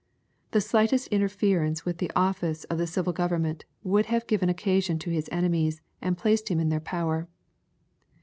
The slightest interference with the oflBce of the civil government would have given occasion to His enemies, and placed Him in their power.